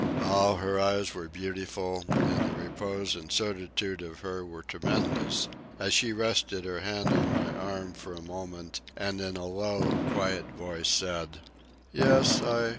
Oh, her eyes were beautiful, and the repose and certitude of her were tremendous, as she rested her hand on my arm for a moment and in a low, quiet voice said: "Yes, I